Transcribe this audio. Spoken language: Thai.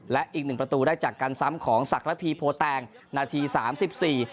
และอีกหนึ่งประตูได้จากการซ้ำของศักรพีโพแตงนาทีสามสิบสี่